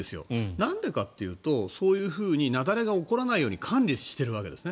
なんでかというとそういうふうに雪崩が起こらないように管理しているわけですね。